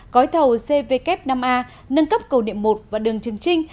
gói thầu cvk năm a nâng cấp cầu niệm một và đường trường trinh